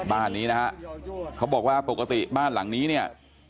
บ้านนี้นะฮะเขาบอกว่าปกติบ้านหลังนี้เนี่ย